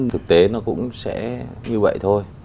thực tế nó cũng sẽ như vậy thôi